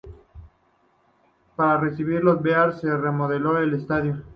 Para recibir a los Bears se remodeló el estadio.